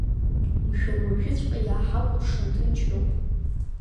Мшәан, уажәыҵәҟьа иааҳакәыршан ҭынчроуп.